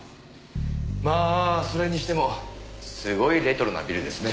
まあそれにしてもすごいレトロなビルですね。